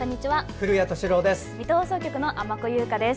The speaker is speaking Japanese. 古谷敏郎です。